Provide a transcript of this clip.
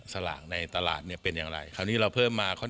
สลากในตลาดเนี่ยเป็นอย่างไรคราวนี้เราเพิ่มมาเขา